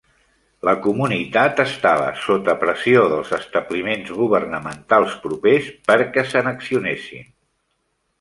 La comunitat estava sota pressió dels establiments governamentals propers perquè s'annexionessin.